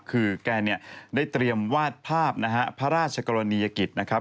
คือแกเนี่ยได้เตรียมวาดภาพนะฮะพระราชกรณียกิจนะครับ